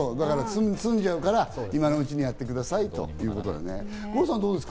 詰んじゃうから今のうちにやってくださいということです。